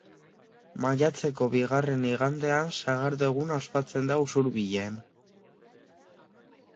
Maiatzeko bigarren igandean Sagardo Eguna ospatzen da Usurbilen.